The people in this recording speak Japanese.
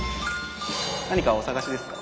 何かお探しですか？